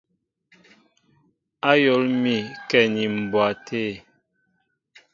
Ayól mi kɛ ni mbwa té.